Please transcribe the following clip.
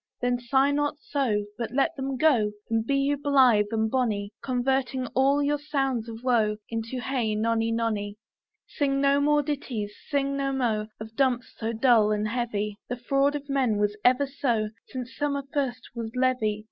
Then sigh not so, But let them go, And be you blith and bonny, Converting all your sounds of woe Into Hey nonny, nonny. Sing no more ditties, sing no mo Of dumps so dull and heavy; The fraud of men was ever so, Since summer first was leavy.